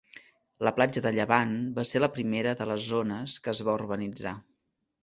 La platja de Llevant va ser la primera de les zones que es va urbanitzar.